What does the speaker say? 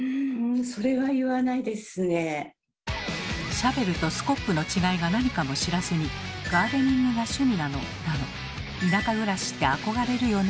シャベルとスコップの違いが何かも知らずに「ガーデニングが趣味なの」だの「田舎暮らしって憧れるよね」